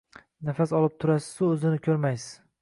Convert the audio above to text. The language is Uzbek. Nafas olib turasizu o‘zini ko‘rmaysiz.